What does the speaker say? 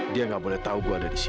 dia nggak boleh tahu gue ada di sini